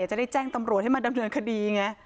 จะได้แจ้งตำรวจให้มาดำเนินคดีไง